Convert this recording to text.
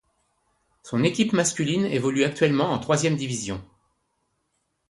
Son équipe masculine évolue actuellement en Troisième Division.